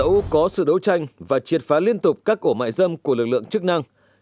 dẫu có sự đấu tranh và triệt phá liên tục các ổ mại dâm của lực lượng chức năng